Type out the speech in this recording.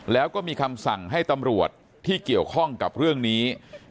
แล้วก็มีคำสั่งให้ตำรวจที่เกี่ยวข้องกับเรื่องนี้